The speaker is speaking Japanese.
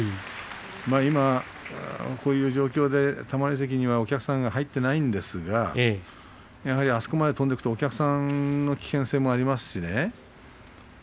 今こういう状況でたまり席にはお客さんが入っていないんですがあそこまで飛んでいくとお客さんの危険性もありますしね。